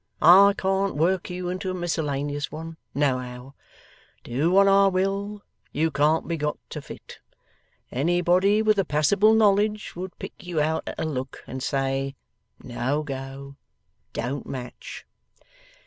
I can't work you into a miscellaneous one, no how. Do what I will, you can't be got to fit. Anybody with a passable knowledge would pick you out at a look, and say, "No go! Don't match!"